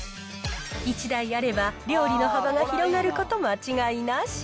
１台あれば、料理の幅が広がること間違いなし。